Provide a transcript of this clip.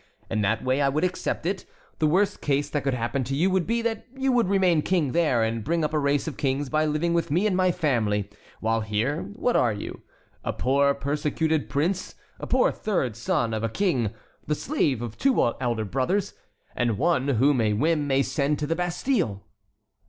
In that way I would accept it. The worst that could happen to you would be that you would remain king there and bring up a race of kings by living with me and my family, while here, what are you? a poor persecuted prince, a poor third son of a king, the slave of two elder brothers, and one whom a whim may send to the Bastille."